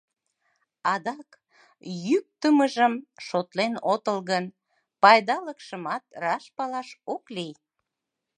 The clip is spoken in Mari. Адак, йӱктымыжым шотлен отыл гын, пайдалыкшымат раш палаш ок лий.